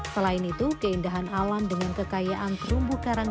selain itu keindahan alam dengan kekayaan terumbu karang